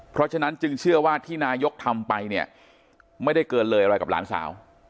เพราะฉะนั้นจึงเชื่อว่าที่นายกทำไปเนี่ยไม่ได้เกินเลยอะไรกับหลานสาว